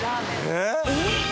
えっ！？